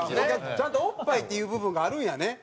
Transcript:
ちゃんとおっぱいっていう部分があるんやね。